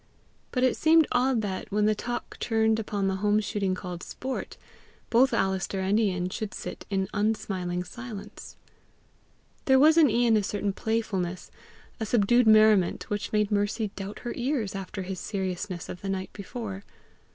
But it seemed odd that, when the talk turned upon the home shooting called sport, both Alister and Ian should sit in unsmiling silence. There was in Ian a certain playfulness, a subdued merriment, which made Mercy doubt her ears after his seriousness of the night before.